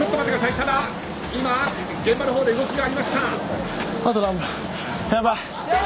ただ、今、現場のほうで動きがありました。